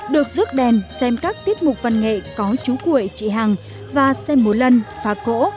được rước đèn xem các tiết mục văn nghệ có chú quệ chị hằng và xem mùa lần phá cỗ